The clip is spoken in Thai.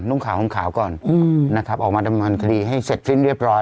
นุ่งขาวห่มขาวก่อนนะครับออกมาดำเนินคดีให้เสร็จสิ้นเรียบร้อย